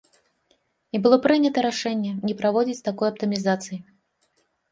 І было прынята рашэнне не праводзіць такой аптымізацыі.